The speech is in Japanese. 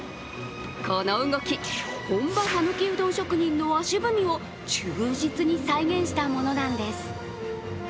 この動き、本場讃岐うどん職人の足踏みを忠実に再現したものなんです。